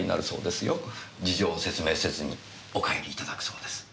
事情を説明せずにお帰りいただくそうです。